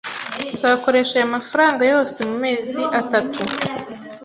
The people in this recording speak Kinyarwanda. Nzakoresha aya mafaranga yose mumezi atatu